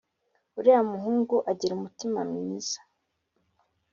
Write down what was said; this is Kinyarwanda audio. uriya muhungu agira umutima mwiza